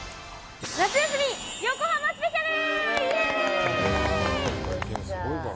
夏休み横浜スペシャル！